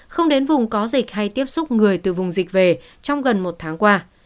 không đến vùng có dịch hay tiếp xúc người từ vùng dịch về trong gần một tháng qua